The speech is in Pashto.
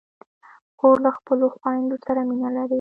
خور له خپلو خویندو سره مینه لري.